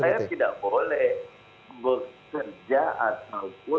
saya tidak boleh bekerja ataupun mengatakan yang berbeda dari pak presiden